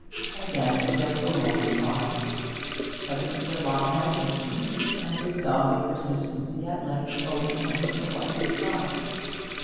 Again there was a long pause; but Mr. Lott had patience, and his dogged persistency at length overcame the wife's pride.